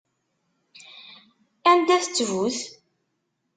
Anda-t ttbut?